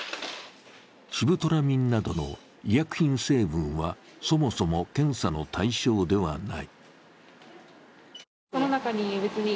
シブトラミンなどの医薬品成分はそもそも検査の対象ではない。